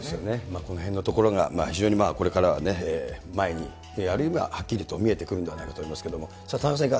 このへんのところが、非常にこれからはね、前に、あるいははっきりと見えてくるんではないかと思いますけれども。